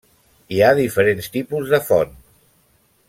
Hi ha diferents tipus de font.